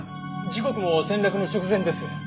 時刻も転落の直前です。